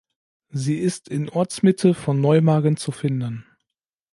Sie ist in Ortsmitte von Neumagen zu finden.